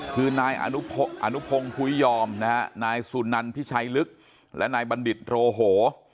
คือนายอนุพงศ์ภุยยอมนะฮะนายสุนันพิชัยลึกและนายบัณฑิตโรโห